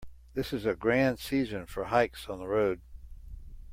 This is a grand season for hikes on the road.